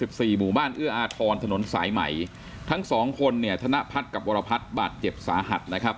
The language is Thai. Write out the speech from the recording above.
สี่หมู่บ้านเอื้ออาทรถนนสายใหม่ทั้งสองคนเนี่ยธนพัฒน์กับวรพัฒน์บาดเจ็บสาหัสนะครับ